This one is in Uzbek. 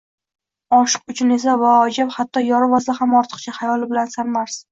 Oshiq uchun esa, vo ajab, hatto yor vasli ham ortiqcha – xayoli bilan sarmast!